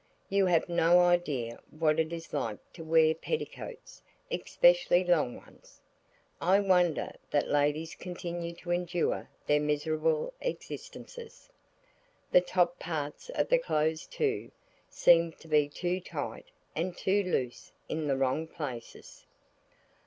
You have no idea what it is like to wear petticoats, especially long ones. I wonder that ladies continue to endure their miserable existences. The top parts of the clothes, too, seemed to be too tight and too loose in the wrong places.